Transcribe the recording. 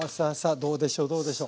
どうでしょうどうでしょう。